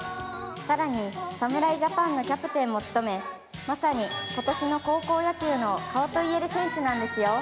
更に侍ジャパンのキャプテンも務め、まさに今年の高校野球の顔といえる選手なんですよ。